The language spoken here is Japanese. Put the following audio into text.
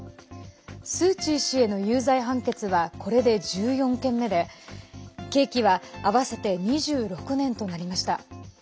スー・チー氏への有罪判決はこれで１４件目で刑期は合わせて２６年となりました。